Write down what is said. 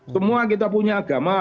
semua kita punya agama